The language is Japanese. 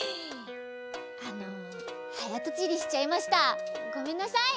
あのはやとちりしちゃいました。ごめんなさい！